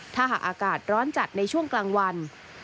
ถ้าหากอากาศร้อนจัดในช่วงกลางวัน